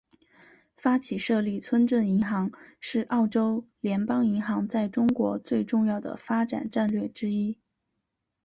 发起设立村镇银行是澳洲联邦银行在中国最重要的发展战略之一。